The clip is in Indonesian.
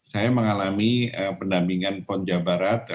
saya mengalami pendampingan pon jawa barat